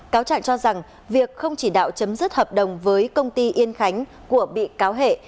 cáo trạng cho rằng việc không chỉ đạo chấm dứt hợp đồng với công ty yên khánh của bị cáo hệ